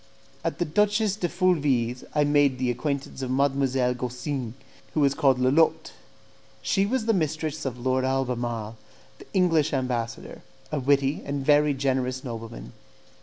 At the Duchess de Fulvie's I made the acquaintance of Mdlle. Gaussin, who was called Lolotte. She was the mistress of Lord Albemarle, the English ambassador, a witty and very generous nobleman.